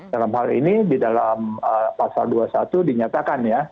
dalam hal ini di dalam pasal dua puluh satu dinyatakan ya